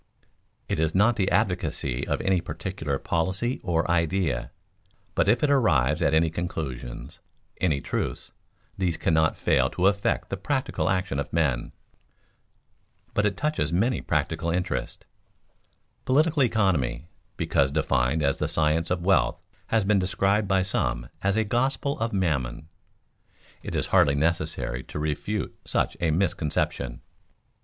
_ It is not the advocacy of any particular policy or idea, but if it arrives at any conclusions, any truths, these cannot fail to affect the practical action of men. [Sidenote: But it touches many practical interests] Political economy, because defined as the science of wealth, has been described by some as a gospel of Mammon. It is hardly necessary to refute such a misconception.